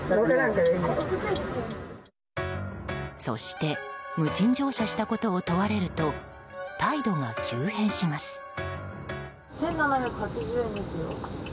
そして無賃乗車したことを問われると、態度が急変します。